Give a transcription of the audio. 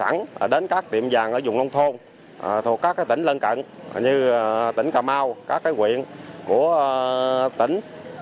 như tỉnh cà mau các quyện của tỉnh